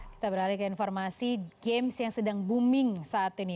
kita beralih ke informasi games yang sedang booming saat ini